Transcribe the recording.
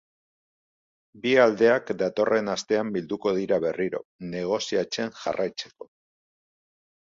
Bi aldeak datorren astean bilduko dira berriro, negoziatzen jarraitzeko.